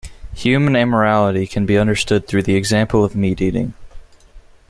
Human amorality can be understood through the example of meat eating.